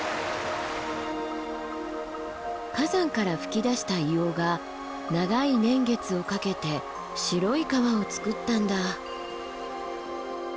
火山から噴き出した硫黄が長い年月をかけて白い川をつくったんだ。